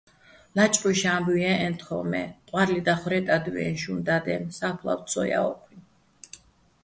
ლაჭყუშ ა́მბუჲ ჲე́ჸეჼ თხო́́ჼ, მე ყვა́რლი დახვრე́ტადვიე შუჼ და́დ-აჲნო̆, სა́ფლავ ცო ჲა ო́ჴუიჼ.